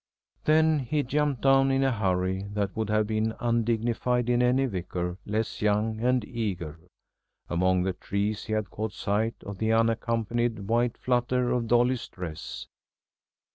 Then he jumped down in a hurry that would have been undignified in any vicar less young and eager. Among the trees he had caught sight of the unaccompanied white flutter of Dolly's dress.